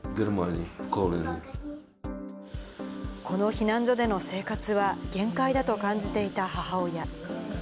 この避難所での生活は限界だと感じていた母親。